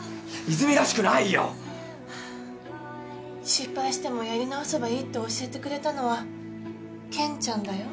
失敗してもやり直せばいいって教えてくれたのは健ちゃんだよ？